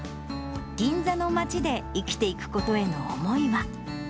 銀座の街で生きていくことへの思いは。